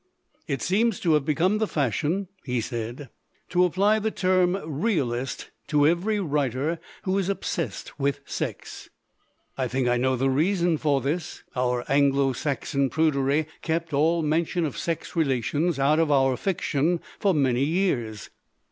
"It seems to have become the fashion," he said, "to apply the term Realist to every writer who is obsessed with sex. I think I know the LITERATURE IN THE MAKING reason for this. Our Anglo Saxon prudery kept all mention of sex relations out of our fiction for many years.